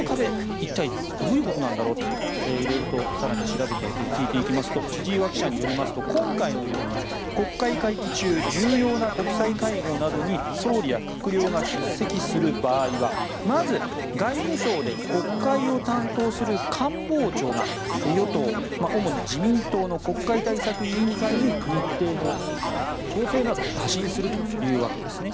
一体どういうことなんだろうと色々と更に調べて聞いていきますと千々岩記者によりますと今回のように国会会期中重要な国際会合などに総理や閣僚が出席する場合はまず、外務省で国会を担当する官房長が与党、主に自民党の国会対策委員会に日程の調整などを打診するというわけですね。